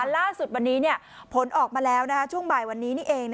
ล่าสุดวันนี้ผลออกมาแล้วช่วงบ่ายวันนี้นี่เอง